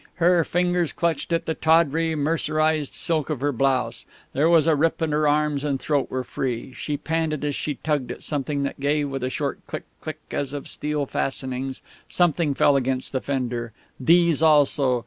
Her fingers clutched at the tawdry mercerised silk of her blouse. There was a rip, and her arms and throat were free. She panted as she tugged at something that gave with a short "click click," as of steel fastenings; something fell against the fender.... These also....